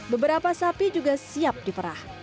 beberapa sapi juga siap diperah